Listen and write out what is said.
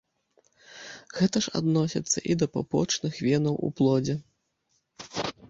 Гэта ж адносіцца і да пупочных венаў у плодзе.